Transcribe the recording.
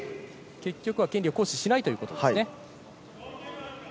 結局は権利を行使しないということですね。